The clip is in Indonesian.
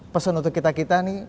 pesan untuk kita kita nih